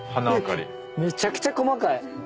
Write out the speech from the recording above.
めちゃくちゃ細かい。